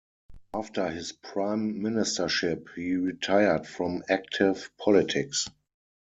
After his prime ministership, he retired from active politics.